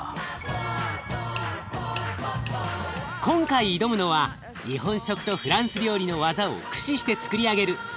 今回挑むのは日本食とフランス料理の技を駆使してつくり上げる